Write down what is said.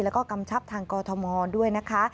แล้วก็กำชับทางกอทมด้วยนะคะ